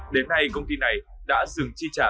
đến nay công ty này đã dừng chi trả